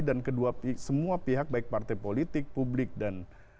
dan semua pihak baik partai politik publik dan